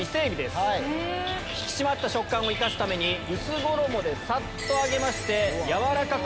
引き締まった食感を生かすために薄衣でさっと揚げまして軟らかく